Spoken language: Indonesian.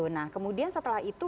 nah kemudian setelah itu